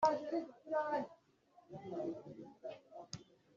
ntuzemere kujya kunamira imana zindi kandi ukazikorera,